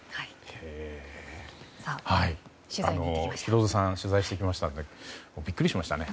ヒロドさん取材してきましたがビックリしましたね。